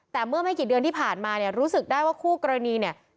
แต่เมื่อไม่กี่เดือนที่ผ่านมาเนี่ยรู้สึกได้ว่าคู่กรณีเนี่ย